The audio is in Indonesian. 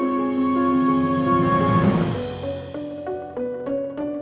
orang yang tadi siang dimakamin